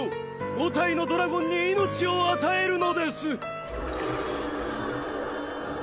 ５体のドラゴンに命を与えるのです。